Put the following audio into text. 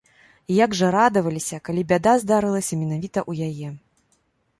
І як жа радаваліся, калі бяда здарылася менавіта ў яе.